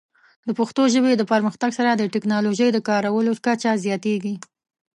د پښتو ژبې د پرمختګ سره، د ټیکنالوجۍ د کارولو کچه زیاتېږي.